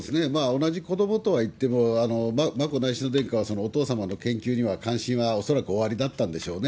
同じ子どもとはいっても、眞子内親王殿下はお父様の研究には関心は恐らくおありだったんでしょうね。